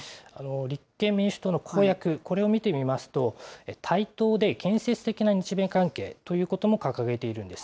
立憲民主党の公約、これを見てみますと、対等で建設的な日米関係ということも掲げているんです。